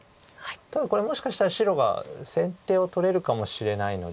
ただこれもしかしたら白が先手を取れるかもしれないので。